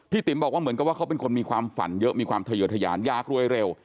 ติ๋มบอกว่าเหมือนกับว่าเขาเป็นคนมีความฝันเยอะมีความทะเยอทยานอยากรวยเร็ว